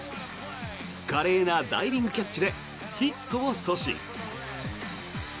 華麗なダイビングキャッチでヒットを阻止。